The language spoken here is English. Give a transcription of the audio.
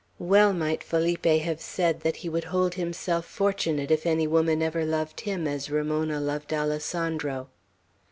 Well might Felipe have said that he would hold himself fortunate if any woman ever loved him as Ramona loved Alessandro.